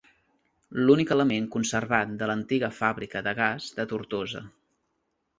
L'únic element conservat de l'antiga fàbrica de gas de Tortosa.